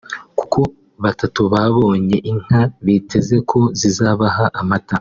kuko batatu babonye inka biteze ko zizabaha amata